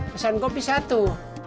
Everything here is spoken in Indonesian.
pesan kopi satu